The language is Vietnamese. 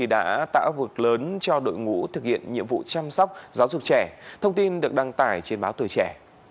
đã tạo vực lớn cho đội ngũ thực hiện nhiệm vụ chăm sóc giáo dục trẻ thông tin được đăng tải trên báo tuổi trẻ